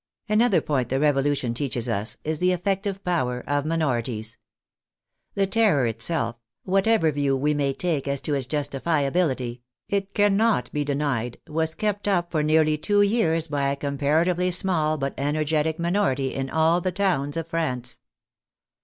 Another point the Revolution teaches us is the effec tive power of minorities. The Terror itself (whatever! view we may take as to its justifiability), it cannot be ii8 THE FRENCH REVOLUTION denied, was kept up for nearly two years by a compara tively small but energetic minority in all the towns of France.